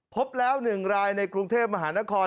พบแล้ว๑รายในกรุงเทพมหานคร